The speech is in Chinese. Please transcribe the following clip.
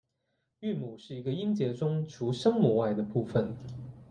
韵母是一个音节中除声母外的部分。